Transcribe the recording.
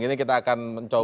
ini kita akan mencoba